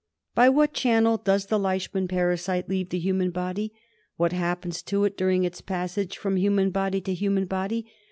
By what channel does the Leishman parasite leave the human body ? What happens to it during its passage from human body to human body?